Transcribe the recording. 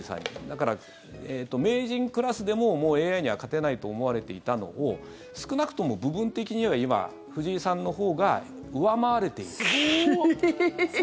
だから、名人クラスでももうＡＩには勝てないと思われていたのを少なくとも部分的には今藤井さんのほうが上回れている。